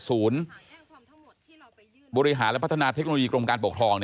ศูนย์บริหารและพัฒนาเทคโนโลยีกรมการปกครอง